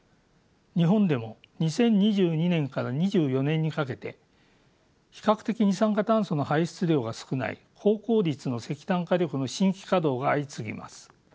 日本でも２０２２年から２４年にかけて比較的二酸化炭素の排出量が少ない高効率の石炭火力の新規稼働が相次ぎます。